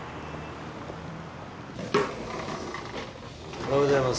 おはようございます。